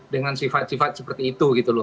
dengan sifat sifat seperti itu